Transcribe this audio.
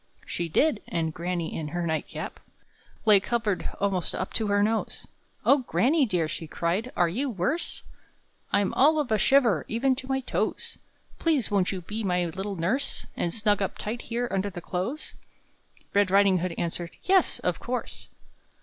She did: and granny, in her night cap, Lay covered almost up to her nose. "Oh, granny dear!" she cried, "are you worse?" "I'm all of a shiver, even to my toes! Please won't you be my little nurse, And snug up tight here under the clothes?" Red Riding hood answered, "Yes," of course.